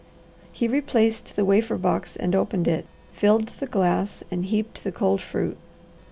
He replaced the wafer box and opened it, filled the glass, and heaped the cold fruit.